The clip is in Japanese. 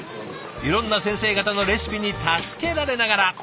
いろんな先生方のレシピに助けられながら。